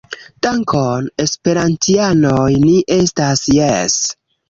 Dankon, esperantianoj ni estas Jes